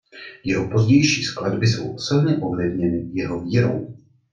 Jeho pozdější skladby jsou silně ovlivněny jeho vírou.